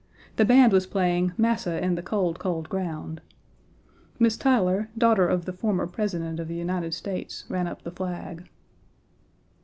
The band was playing "Massa in the cold, cold ground." Miss Tyler, daughter of the former President of the United States, ran up the flag.